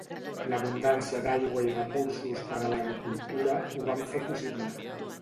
L'abundància d'aigua i recursos per a l'agricultura ho van fer possible.